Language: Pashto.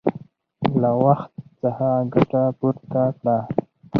له وخت څخه ګټه پورته کړه!